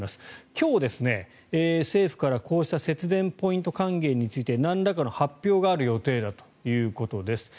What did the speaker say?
今日、政府からこうした節電ポイント還元についてなんらかの発表がある予定だということです。